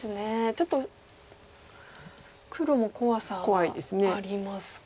ちょっと黒も怖さがありますか。